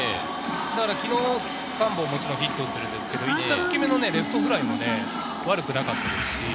昨日３本ヒットを打っているんですけれど、１打席目のレフトフライも悪くなかった。